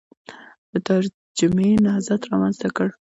د ترجمې نهضت رامنځته کړ